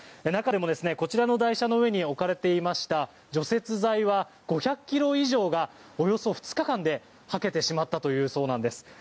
中でもこちらの台車の上に置かれていました除雪剤は５００ｋｇ以上がおよそ２日間ではけてしまったそうなんです。